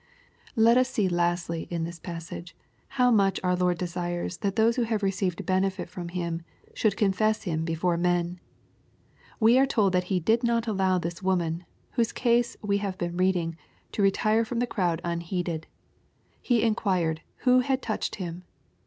Let us see, lastly, in this passage, how much our Lord desires that those who have received benefit from Him should confess Him before men. We are told that He did not allow this woman, whose case we have been reading, to retire from the crowd unheeded. He enquired "who had touched Him."